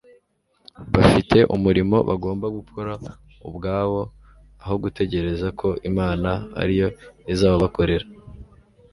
bafite umurimo bagomba gukora ubwabo aho gutegereza ko imana ari yo izawubakorera